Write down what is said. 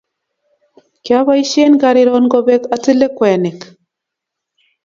kiapoisien kariron kopek atile kwenik